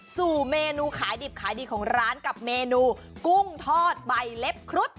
สู่เมนูขายดิบขายดีของร้านกับเมนูกุ้งทอดใบเล็บครุฑ